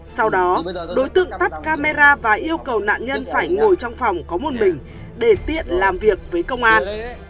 sau đó đối tượng tắt camera và yêu cầu nạn nhân phải ngồi trong phòng có một mình để tiện làm việc với công an